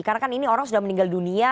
karena kan ini orang sudah meninggal dunia